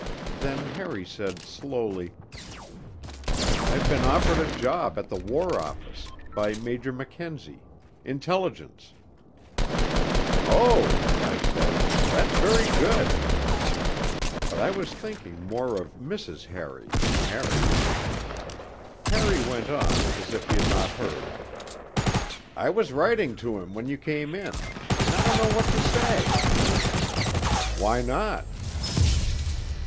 Then Harry said, slowly: 'I've been offered a job at the War Office by Major Mackenzie Intelligence.' 'Oh,' I said, 'that's very good.' (But I was thinking more of Mrs. Harry than Harry.) Harry went on, as if he had not heard. 'I was writing to him when you came in. And I don't know what to say.' 'Why not?'